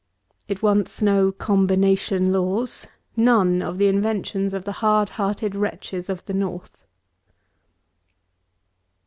It wants no combination laws; none of the inventions of the hard hearted wretches of the North.